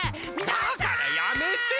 だからやめて！